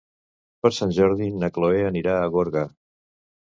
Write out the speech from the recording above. Per Sant Jordi na Chloé anirà a Gorga.